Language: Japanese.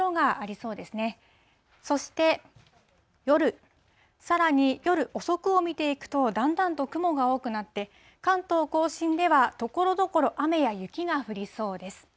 そして、夜、さらに夜遅くを見ていくと、だんだんと雲が多くなって、関東甲信ではところどころ、雨や雪が降りそうです。